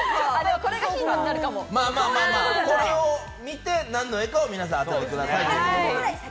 これを見て何の絵か皆さん、当ててください。